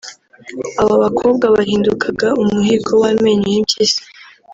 abo bakobwa bahindukaga umuhigo w’amenyo y’impyisi